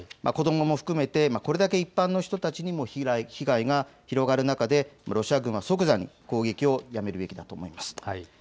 子どもも含めてこれだけ一般の人たちにも被害が広がる中でロシア軍は即座に攻撃をやめるべきだと思います。